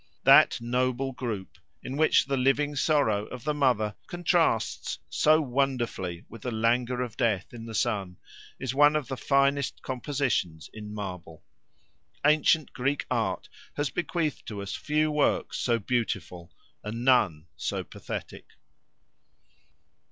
That noble group, in which the living sorrow of the mother contrasts so wonderfully with the languor of death in the son, is one of the finest compositions in marble. Ancient Greek art has bequeathed to us few works so beautiful, and none so pathetic.